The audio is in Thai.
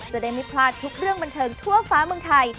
จะได้ไม่พลาดทุกเรื่องบันเทิงทั่วฟ้าเมืองไทย